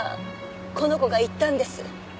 この子が言ったんです。